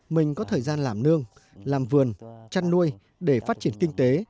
mình có thời gian làm nương làm vườn chăn nuôi để phát triển kinh tế